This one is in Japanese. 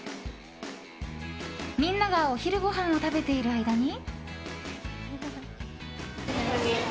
みんながお昼ごはんを食べている間に。